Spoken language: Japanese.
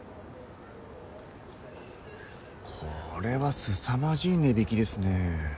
これはすさまじい値引きですね。